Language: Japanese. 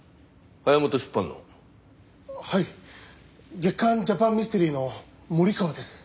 月刊『ジャパン・ミステリー』の森川です。